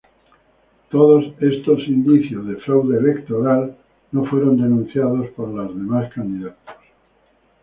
Todos estos indicios de fraude electoral no fueron denunciados por los demás candidatos.